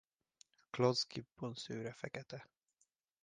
A Kloss-gibbon szőre fekete.